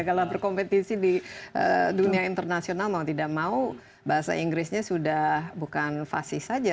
kalau berkompetisi di dunia internasional mau tidak mau bahasa inggrisnya sudah bukan fasis saja